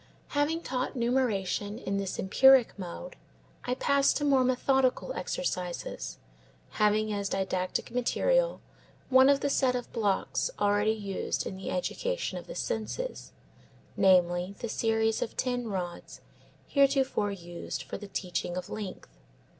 Having taught numeration in this empiric mode, I pass to more methodical exercises, having as didactic material one of the sets of blocks already used in the education of the senses; namely, the series of ten rods heretofore used for the teaching of length.